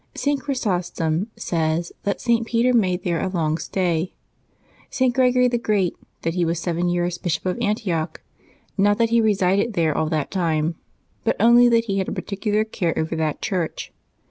St. Chrysostom says that St. Peter made there a long stay; St. Gregory the Great, that he was seven years Bishop of Antioch; not that he resided there all that time, but only that he had a particular care over that Church.